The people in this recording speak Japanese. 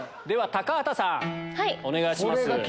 では高畑さんお願いします。